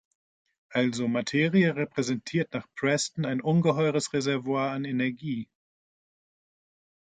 Also Materie repräsentiert nach Preston ein ungeheures Reservoir an Energie.